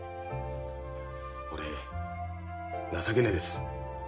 俺情けねえです。